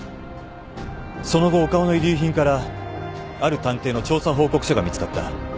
その後岡尾の遺留品からある探偵の調査報告書が見つかった。